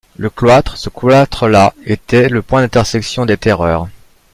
Le cloître, ce cloître-là, est le point d’intersection des terreurs.